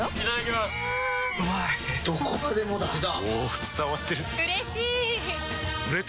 どこまでもだあ！